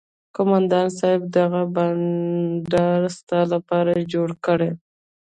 قومندان صايب دغه بنډار ستا لپاره جوړ کړى.